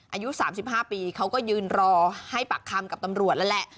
อายุ๓๕ปีเขาก็ยืนรอให้ปากคำกับตำรวจแล้วแหละ